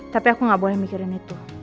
tapi aku gak boleh mikirin itu